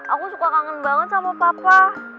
aku suka kangen banget sama papa